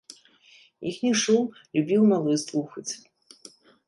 Іхні шум любіў малы слухаць.